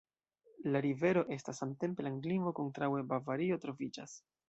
La rivero estas samtempe landlimo, kontraŭe Bavario troviĝas.